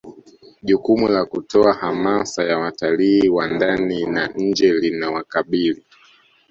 jukumu la kutoa hamasa ya watalii wa ndani na nje linawakabili